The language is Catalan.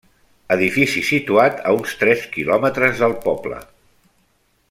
Edifici situat a uns tres quilòmetres del poble.